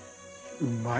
うまい。